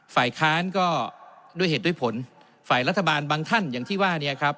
ฝ่ายค้านก็ด้วยเหตุด้วยผลฝ่ายรัฐบาลบางท่านอย่างที่ว่าเนี่ยครับ